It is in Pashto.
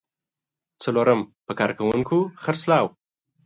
څلورم: په کارکوونکو خرڅلاو.